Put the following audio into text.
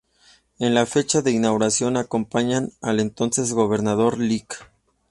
En la fecha de su inauguración acompañaron al entonces Gobernador Lic.